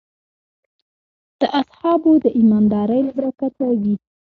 د اصحابو د ایماندارۍ له برکته وې.